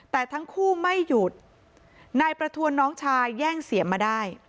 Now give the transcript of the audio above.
แต่ทั้งคู่ไม่หยุดนายประทวนน้องชายแย่งเสียงมาได้